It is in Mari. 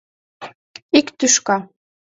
Ик тӱшка.